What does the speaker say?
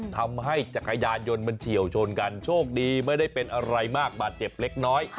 จักรยานยนต์มันเฉียวชนกันโชคดีไม่ได้เป็นอะไรมากบาดเจ็บเล็กน้อย